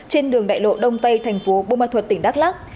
trên đường đại lộ đông tây thành phố bô ma thuật tỉnh đắk lắc